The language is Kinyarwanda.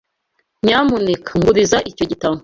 Nyamuneka nguriza icyo gitabo.